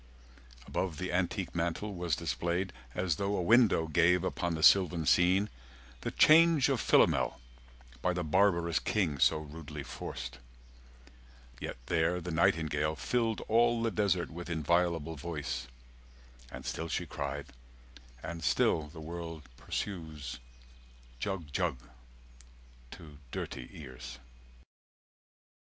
Above the antique mantel was displayed As though a window gave upon the sylvan scene The change of Philomel, by the barbarous king So rudely forced; yet there the nightingale 100 Filled all the desert with inviolable voice And still she cried, and still the world pursues, "Jug Jug" to dirty ears.